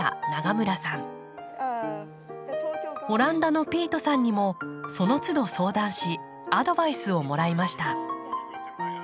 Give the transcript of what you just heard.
オランダのピートさんにもそのつど相談しアドバイスをもらいました。